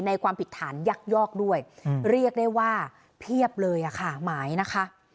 ความผิดฐานยักยอกด้วยเรียกได้ว่าเพียบเลยค่ะหมายนะคะ